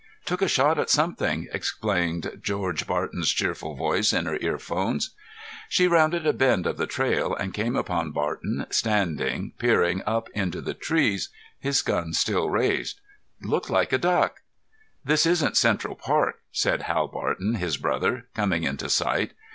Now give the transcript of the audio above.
"Took a shot at something," explained George Barton's cheerful voice in her earphones. She rounded a bend of the trail and came upon Barton standing peering up into the trees, his gun still raised. "It looked like a duck." "This isn't Central Park," said Hal Barton, his brother, coming into sight.